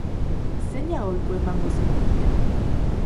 Zein aholku emango zenieke?